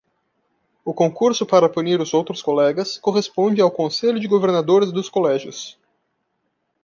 O concurso para punir os outros colegas corresponde ao Conselho de Governadores dos colégios.